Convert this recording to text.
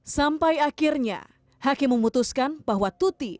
sampai akhirnya hakim memutuskan bahwa tuti